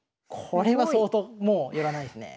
これは相当もう寄らないですね。